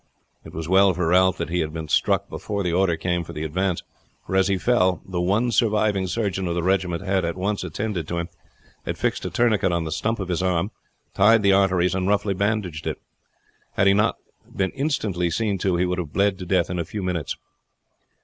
It was well for Ralph that he had been struck before the order came for the advance, for as he fell the one surviving surgeon of the regiment had at once attended to him, had fixed a tourniquet on the stump of his arm, tied the arteries, and roughly bandaged it. Had he not been instantly seen to he would have bled to death in a few minutes.